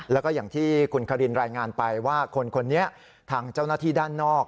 แล้วก็อย่างที่คุณคารินรายงานไปว่าคนนี้ทางเจ้าหน้าที่ด้านนอก